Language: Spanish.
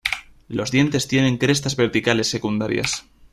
Los dientes tienen crestas verticales secundarias.